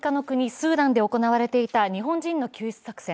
スーダンで行われていた日本人の救出作戦。